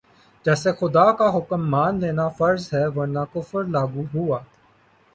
جیسے خدا کا حکم مان لینا فرض ہے ورنہ کفر لاگو ہوا